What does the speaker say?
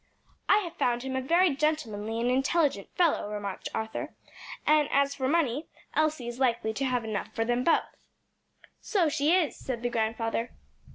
"I have found him a very gentlemanly and intelligent fellow," remarked Arthur; "and as for money, Elsie is likely to have enough for both." "So she is," said the grandfather.